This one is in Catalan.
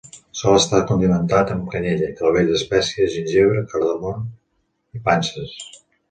Sol estar condimentat amb canyella, clavell d'espècia, gingebre, cardamom i panses.